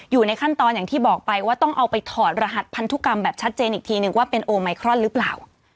อยู่ในขั้นตอนอย่างที่บอกไปว่าต้องเอาไปถอดรหัสพันธุกรรมแบบชัดเจนอีกทีนึงว่าเป็นโอไมครอนหรือเปล่า